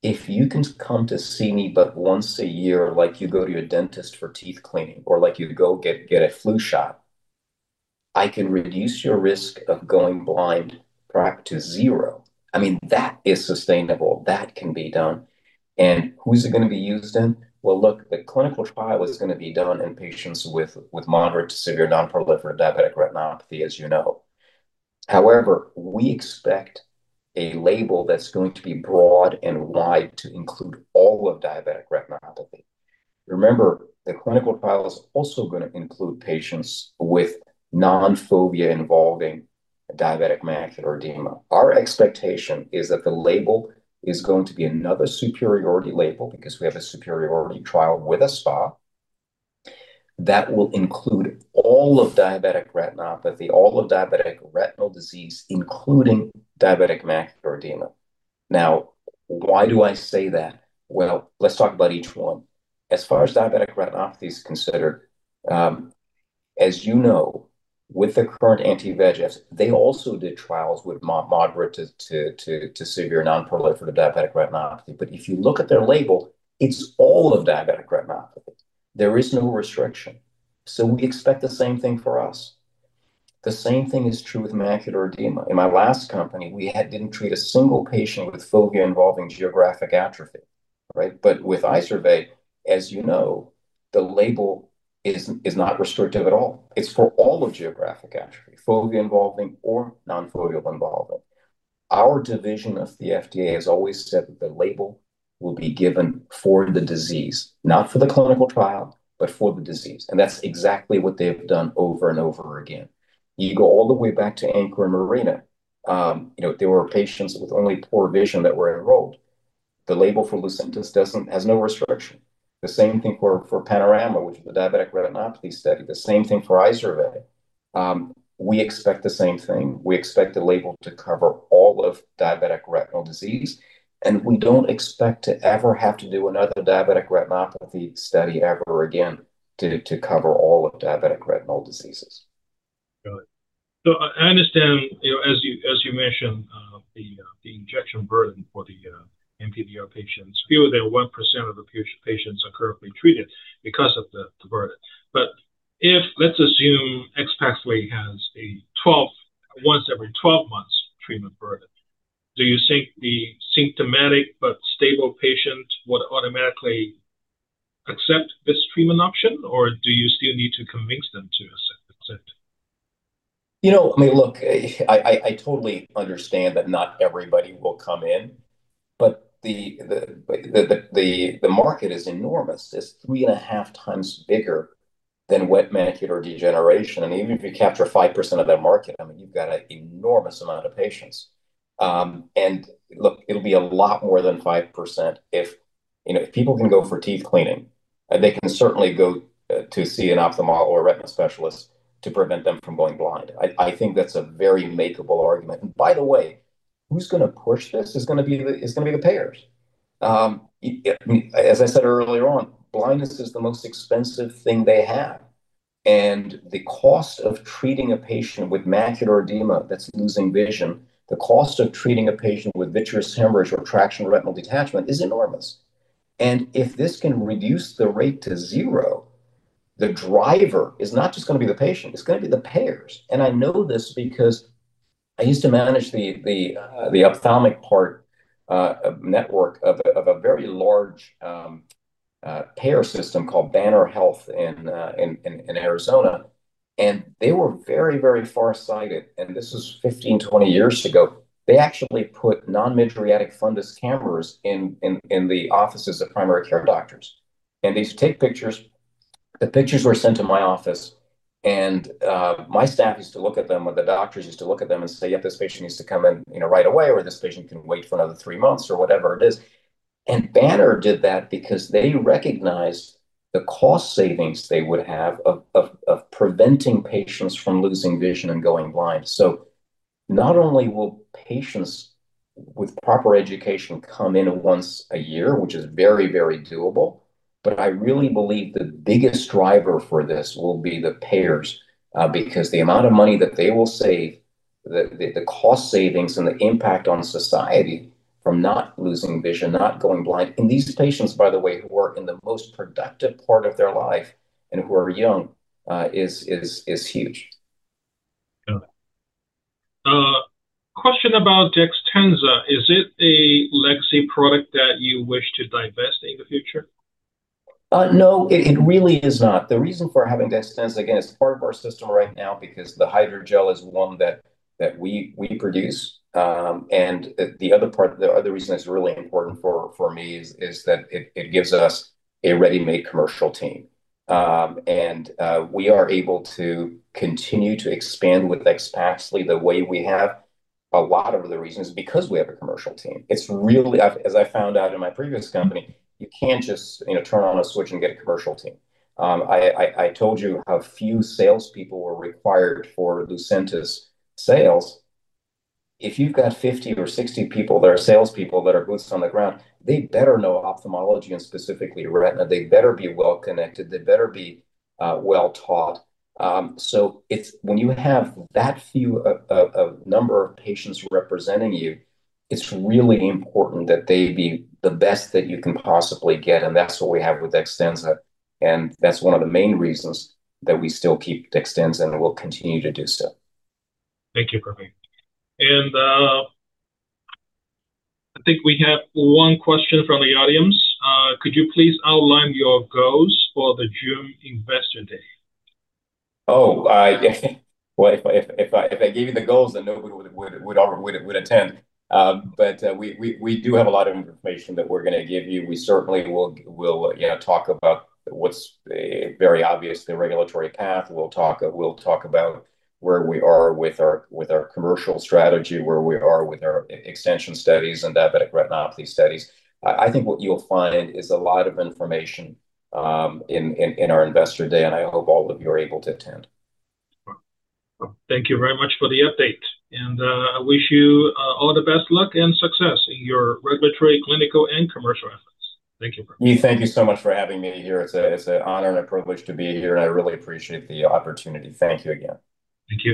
if you can come to see me but once a year like you go to your dentist for teeth cleaning or like you go get a flu shot, I can reduce your risk of going blind back to zero." I mean, that is sustainable. That can be done. Who's it gonna be used in? Well, look, the clinical trial is gonna be done in patients with moderate to severe non-proliferative diabetic retinopathy, as you know. However, we expect a label that's going to be broad and wide to include all of diabetic retinopathy. Remember, the clinical trial is also gonna include patients with non-fovea involving diabetic macular edema. Our expectation is that the label is going to be another superiority label because we have a superiority trial with a SPA that will include all of diabetic retinopathy, all of diabetic retinal disease, including diabetic macular edema. Now, why do I say that? Well, let's talk about each one. As far as diabetic retinopathy is considered, as you know, with the current anti-VEGFs, they also did trials with moderate to severe non-proliferative diabetic retinopathy. If you look at their label, it's all of diabetic retinopathy. There is no restriction. We expect the same thing for us. The same thing is true with macular edema. In my last company, we didn't treat a single patient with fovea involving geographic atrophy, right? With IZERVAY, as you know, the label is not restrictive at all. It's for all of geographic atrophy, fovea involving or non-fovea involving. Our division of the FDA has always said that the label will be given for the disease, not for the clinical trial, but for the disease. That's exactly what they've done over and over again. You go all the way back to ANCHOR and MARINA. There were patients with only poor vision that were enrolled. The label for Lucentis has no restriction. The same thing for PANORAMA, which is a diabetic retinopathy study. The same thing for IZERVAY. We expect the same thing. We expect the label to cover all of diabetic retinal disease, and we don't expect to ever have to do another diabetic retinopathy study ever again to cover all of diabetic retinal diseases. Got it. I understand, you know, as you mentioned, the injection burden for the NPDR patients. Fewer than 1% of the patients are currently treated because of the burden. If let's assume AXPAXLI has a once every 12 months treatment burden, do you think the symptomatic but stable patient would automatically accept this treatment option? Or do you still need to convince them to accept it? You know, I mean, look, I totally understand that not everybody will come in, but the market is enormous. It's 3.5x bigger than wet macular degeneration. Even if you capture 5% of that market, I mean, you've got an enormous amount of patients. Look, it'll be a lot more than 5% if you know, if people can go for teeth cleaning, they can certainly go to see an ophthalmologist or a retina specialist to prevent them from going blind. I think that's a very makeable argument. By the way, who's gonna push this? It's gonna be the payers. As I said earlier on, blindness is the most expensive thing they have, and the cost of treating a patient with macular edema that's losing vision, the cost of treating a patient with vitreous hemorrhage or traction retinal detachment is enormous. If this can reduce the rate to zero, the driver is not just gonna be the patient, it's gonna be the payers. I know this because I used to manage the ophthalmic part network of a very large payer system called Banner Health in Arizona. They were very farsighted. This is 15-20 years ago. They actually put non-mydriatic fundus cameras in the offices of primary care doctors. They used to take pictures. The pictures were sent to my office, and my staff used to look at them, or the doctors used to look at them and say, "Yep, this patient needs to come in, you know, right away," or, "This patient can wait for another three months," or whatever it is. Banner did that because they recognized the cost savings they would have of preventing patients from losing vision and going blind. Not only will patients with proper education come in once a year, which is very, very doable, but I really believe the biggest driver for this will be the payers, because the amount of money that they will save, the cost savings and the impact on society from not losing vision, not going blind. These patients, by the way, who are in the most productive part of their life and who are young, is huge. Got it. Question about DEXTENZA. Is it a legacy product that you wish to divest in the future? No, it really is not. The reason for having DEXTENZA, again, it's part of our system right now because the hydrogel is one that we produce. The other reason it's really important for me is that it gives us a ready-made commercial team. We are able to continue to expand with AXPAXLI the way we have. A lot of the reason is because we have a commercial team. It's really as I found out in my previous company, you can't just, you know, turn on a switch and get a commercial team. I told you how few salespeople were required for Lucentis sales. If you've got 50 or 60 people that are salespeople that are boots on the ground, they better know ophthalmology and specifically retina. They better be well-connected. They better be well-taught. It's when you have that few, a number of patients representing you, it's really important that they be the best that you can possibly get, and that's what we have with DEXTENZA, and that's one of the main reasons that we still keep DEXTENZA, and we'll continue to do so. Thank you, Pravin. I think we have one question from the audience. Could you please outline your goals for the June Investor Day? Well, if I gave you the goals, then nobody would attend. We do have a lot of information that we're gonna give you. We certainly will, you know, talk about what's very obvious, the regulatory path. We'll talk about where we are with our commercial strategy, where we are with our extension studies and diabetic retinopathy studies. I think what you'll find is a lot of information in our Investor Day, and I hope all of you are able to attend. Thank you very much for the update. I wish you all the best luck and success in your regulatory, clinical, and commercial efforts. Thank you. We thank you so much for having me here. It's an honor and a privilege to be here, and I really appreciate the opportunity. Thank you again. Thank you.